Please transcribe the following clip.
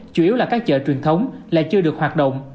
chủ yếu là các chợ truyền thống lại chưa được hoạt động